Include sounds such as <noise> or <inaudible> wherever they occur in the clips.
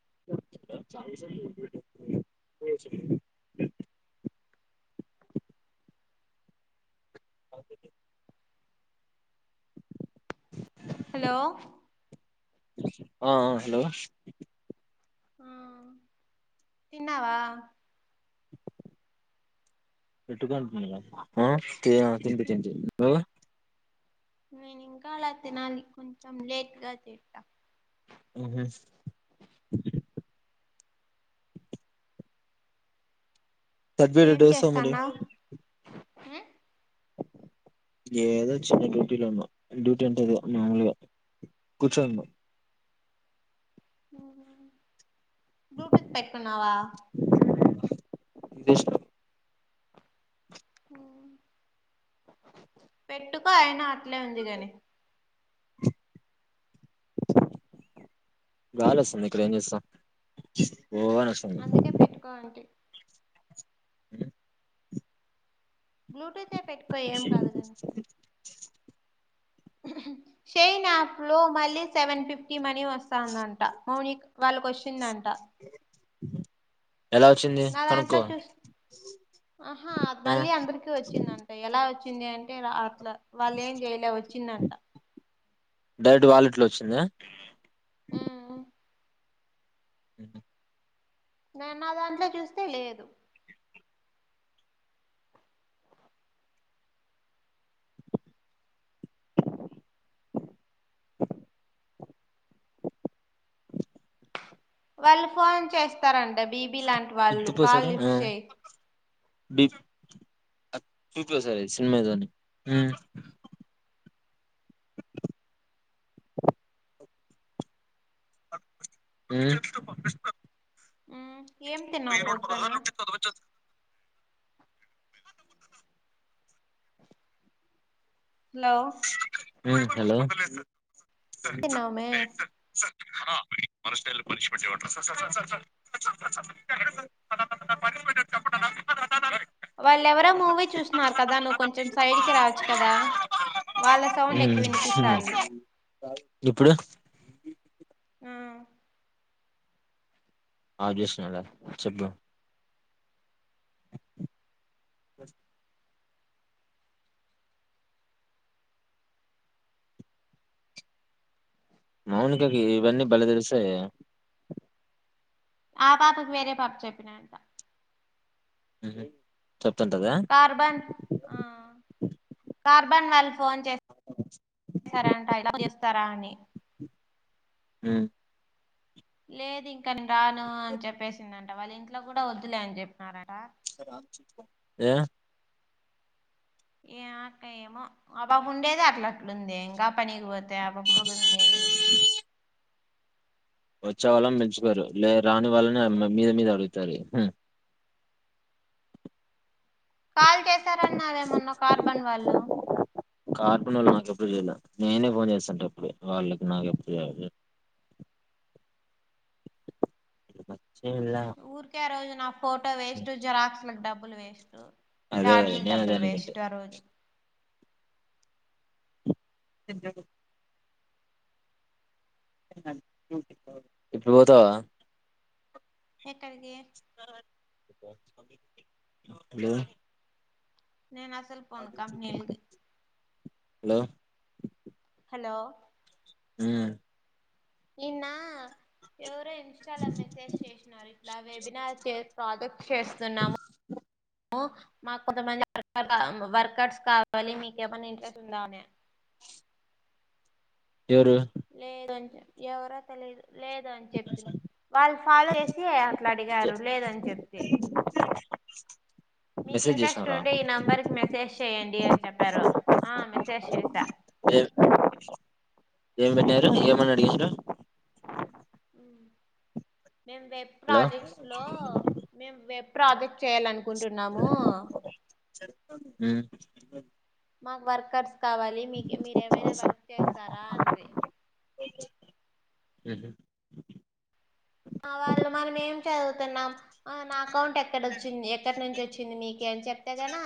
<inaudible> <inaudible> Hello ఆ ఆ hello ఆ తిన్నావా <unintelligible> ఆహా ఆ తింటి తింటి నువ్వా నేన్ ఇంకా లే తినాలి కొంచెం లేట్గా తింటా హు హుమ్మ్ పాజేనిమిది డేస్ ఆ మరి హ్ ఏదో చిన్న డ్యూటీలో ఉన్నా డ్యూటీ అంటది మాముూలుగా కూర్చోన్నా అవ్నా బ్లూటూత్ పెట్టుకున్నావా తీసేస్నా హ్మ్ పెట్టుకో ఆయన అట్లే ఉంది కాని గాలోస్తుంది ఇక్కడ ఏం చేస్తామ్ ఓ అని వస్తుంది అందుకే పెట్టుకో అంటే హ్మ్ బ్లూటూత్ యే పెట్టుకో ఏం కాదు గానీ షైన్ యాప్ లో మళ్ళీ సెవెన్ ఫిఫ్టీ మనీ వస్తందంట మౌనిక్ వాళ్ళకి వచ్చిందంట ఎలా వచ్చింది నా దాంట్లో కనుక్కో చూసి ఆహా ఆ మళ్ళీ అందరికి వచ్చిందంట ఎలా వచ్చి వచ్చింది అంటే అట్లా వాళ్ళ ఏం జైలే వచ్చిందంట ఇట్లచ్చిందా ఉమ్ ఉ నేన్న దాంట్లో చూస్తే లేదు వాళ్ళు ఫోన్ చేస్తారంట. బీబీ లాంటి వాళ్ళు కాల్ లిఫ్ట్ చేయి. చూప సారు సినిమాదోని ఏ ఉమ్ ఏం తిన్నావు వెయ్యి నూట పొద్దున పదహార్లు ఉంటే చదవన్ చ్చ హలో ఉ హలో న్నావ మే మన స్ట పనిష్మెంట్ పనిష్మెంట్ చెప్పండి వాళ్ళ ఎవరో మూవీ చూస్తున్నారు కదా. నువ్వు కొంచెం సైడ్ కి రావచ్చు కదా. వాళ్ళ సౌం ఉ ఇప్పుడు ఆ ఆబ్ చేస్తున్నాలా చెప్ప బస్ మౌనికకి ఇవన్నీ బలే తెలిస్తయి ఆ పాపకి వేరే పాప చెప్పినయంటా హహ కార్బన్ ఆ కార్బన్ వాల్ ఫోన్ చేరాంట చేస్తారా అని ఉ లేదు ఇంకా నేన్ రాను అని చెప్పేసిందంట. వాళ్ళ ఇంట్లో కూడా వద్దులే అని చెప్పినారట. ఏ ఏ అక్క ఏమో ఆ బాబు ఉండేది అట్లా అట్లుంది ఇంకా పనికిపోతు అధ్యాపక మదుమింగేమి వచ్చా వాళ్ళం మెంచుతారు లే రాని వాళ్ళని మీద మీద అడుగుతారు. కాల్ చేశారన్నావే మన్నా కార్బన్ వాళ్ళు కార్పన్ వాళ్ళు నాకెప్పుడు చేయలే. నేనే ఫోన్ చేస్తాంట. ఎప్పుడు వాళ్ళకి నాకెప్పుడు చేయల చేయలే ఊరికే ఆ రోజు నా ఫోటో వేస్ట్ జిరాక్స్ లకు డబ్బులు వేస్ట్ అదే కదా చార్జిలు నేను అదే డబ్బులు అనుకుంటే వేస్ట్ ఆ రోజు సిజడు ఇప్పుడు పోతావా ఎక్కరికి హలో నేను అసలుపోను కంపెనీలకి హలో హలో ఊ నిన్న ఎవరో ఇన్స్టాలో మెసేజ్ చేసినారు ఇట్లా వెబినార్ ప్రాజెక్ట్ చేస్తున్నాము. అ మాకు కొంతమంది వర్ వర్కర్స్ కావాలి మీకేమన్నా ఇంట్రెస్ట్ ఉందా అని ఎవరు లేదు అని చెప్ ఎవరా తెలిదు లేదు అని చెప్తే వాళ్ళు ఫాలో చేసి అట్లా అడిగారు లేదని చెప్తే మీకు మెసేజ్ ఇంట్రెస్ట్ చేసినారా ఉంటే ఈ నెంబర్ కి మెసేజ్ చెయ్యడి అని చెప్పారు ఆ మెసేజ్ చేసా ఏం ఏం పెట్టినారు ఏమని అడిగించారు మేం వెబ్ హలో ప్రాజెక్ట్స్ లో మేము వెబ్ ప్రాజెక్ట్ లో చేయాలనుకుంటున్నాము అ మాకు వర్కర్స్ కావాలి మీకు మీరేమైనా వర్క్ చేస్తారా అనిరి ఉహు వాళ్ళు మనం ఏం చదువుతున్నాం నా అకౌంట్ ఎక్కడ వచ్చింది ఎక్కడి నుంచి వచ్చింది మీకు ఇంకేం చెప్తాదనా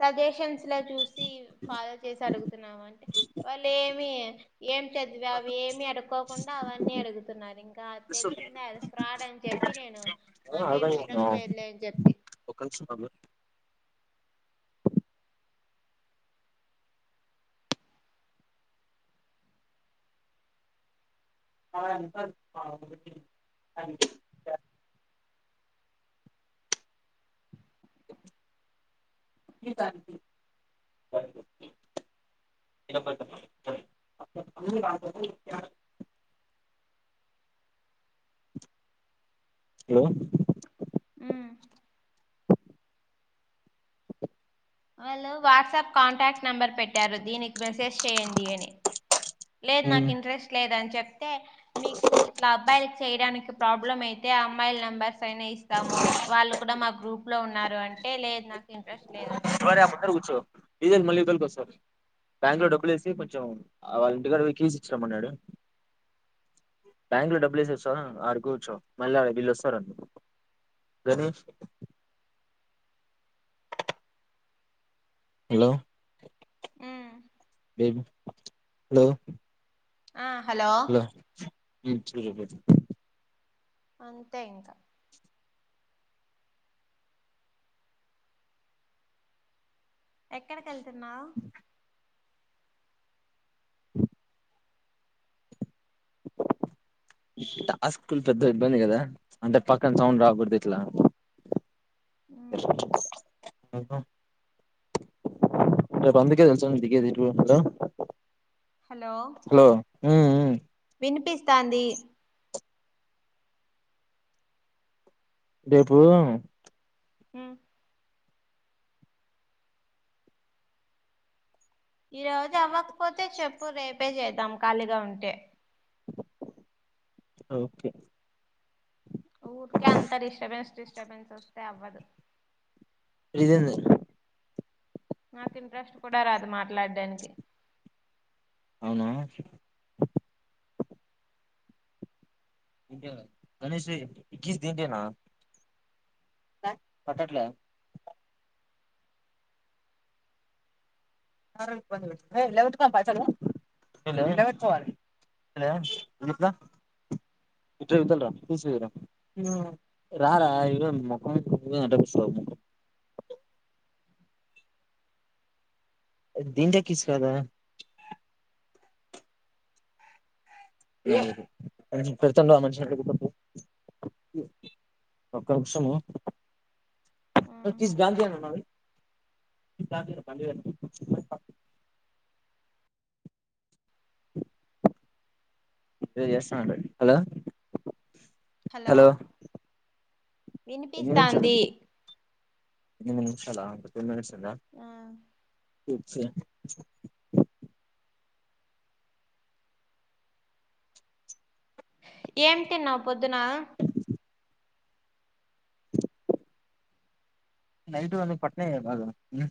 సజెషన్స్ లో చూసి ఫాలో చేసి అడుగుతున్నాం అంటే వాళ్ళు ఏమి ఏం చదివి అవి ఏమి అడుక్కోకుండా అవన్నీ అడుగుతున్నారు ఇంకా అ తెలిసిందే అది ఫ్రాడ్ అని చెప్పి చెప్పి నేను మాకేమి ఇంట్రెస్ట్ ఉమ్ లేదులే అని చెప్పి ఒక్క నిమిషం ఆగు <inaudible> <unintelligible> <inaudible> <unintelligible> హలో ఉమ్ <inaudible> వాళ్ళు వాట్సాప్ కాంటాక్ట్ నంబర్ పెట్టారు దీనికి మెసేజ్ చేయండి అని లేదు ఉమ్ నాకు ఇంట్రెస్ట్ లేదని చెప్తే మీకు ఇట్లా అబ్బాయిలకి చేయడానికి ప్రాబ్లమ్ అయితే ఆ అమ్మాయిల్ నెంబర్స్ అయినా ఇస్తాము వాళ్ళు కూడా మా గ్రూప్ లో ఉన్నారు అంటే లేదు నాకు ఇంట్రెస్ట్ లేదని వాడి చెప్తే పక్కన కూచ్చో డిజ మళ్ళ కలుకో సార్ బ్యాంక్ లో డబ్బు లేసి కొంచెం వాళ్ళ ఇంటికాడ కీస్ ఇచ్చి రమ్మన్నాడు. బ్యాంక్ లో డబ్బులు వేసి వస్తా ఆడ కూర్చో మళ్ళీ బీల్ళ వస్తారుడి గనీష్ హలో ఉమ్ హలో ఆ హలో <unintelligible> అంతే ఇంకా ఎక్కడికి వెళ్తున్నావు. <inaudible> ఇట్ల ఆ స్కూల్ పెద్ద ఇబ్బంది కదా అంటే పక్కన సౌండ్ రాకూడదు ఇట్లా ఇ రేపు అందికే తెల్సా దిగేది <inaudible> హలో మ్మ్ మ్మ్ వినిపిస్తాంది రేపు మ్మ్ ఈ రోజు అవ్వకపోతే చెప్పు రేపే చేద్దాం ఖాళీగా ఉంటే ఓకే ఊరికే అంత డిస్టర్బెన్స్ డిస్టర్బెన్స్ వస్తే అవ్వదు ఇదేంది నాకు ఇంట్రెస్ట్ కూడా రాదు మాట్లాడడానికి అవునా గనే శ్రీ ఈ కీస్ దిందెన పట్టట్లా ఏ లేవంటగా పైసలు హలో హలో విద్య ఇవుతలి రా చూస్సువు రా ఆ రారా ఇగో <unintelligible> మొకం <unintelligible> దీంట్లో ఎక్కిచ్చు కదా హ్మ్ హు పెడుతన్నావా మంచిగ <unintelligible> పక్క కూసో మా తీసి గాలి <inaudible> <inaudible> వీడు చేస్తాండు హలో హలో ఎన్ని నిమిషాలు వినిపిస్తాంది అయింది ఎనిమిది నిమిషాల ఆ టెన్ మినిట్స్ ఉందా <inaudible> ఏమి తిన్నావు పొద్దున నైటు అన్ని పట్టినాయి బాగా మ్మ్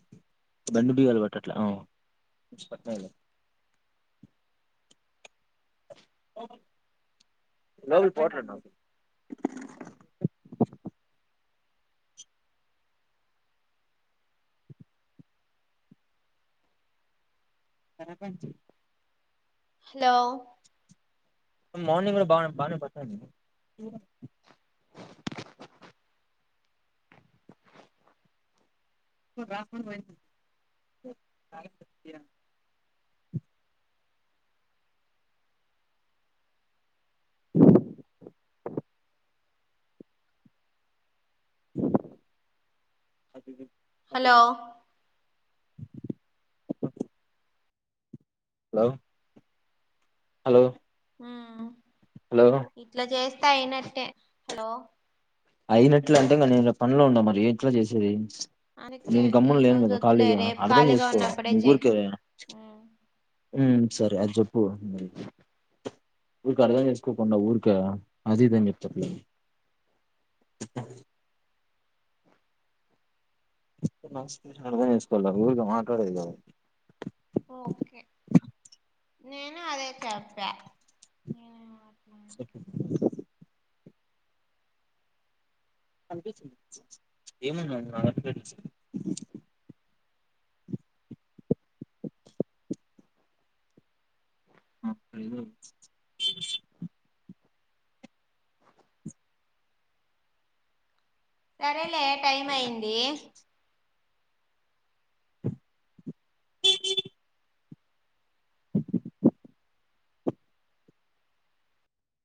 బండి బీగలు పట్టట్లే ఆ పట్టినాయి లే లోపలికి పోవట్లేదున్న కర పంచి హలో మార్నింగ్ గూడ బా బానే <unintelligible> <inaudible> <unintelligible> హలో హలో హలో హలో ఇట్ల చేస్తే అయినట్టే హలో అయినట్లు అంటే ఇంగ నేను ఈడ పనులో ఉన్న మరి ఎట్ల చేసేది అందుకే నేను ఈ గమ్మన లేను రోజు కదా వద్దులే ఖాళీగా రేపు అర్ధం ఖాళీగా చేసుకో ఉన్నప్పుడే చెయ్ ఊరికే ఉ సరే అది చెప్పు ఊరికే అర్థం చేసుకోకుండా ఊరికే అది ఇదాని చెప్తుంటావ్ అర్థం చేసుకోవాలి ఊరికా మాట్లాడేది కాదు ఓకే నేను అదే చెప్ప సరే ఏమన్నా నా <unintelligible> అ ప్రీ <inaudible> సరేలే టైం అయింది